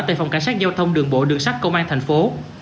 tại phòng cảnh sát giao thông đường bộ đường sắt công an thành phố